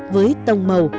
với tông màu